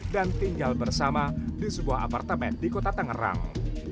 dan tinggal bersama di sebuah apartemen di kota tangerang